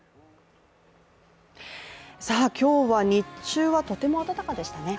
今日は日中はとても暖かでしたね。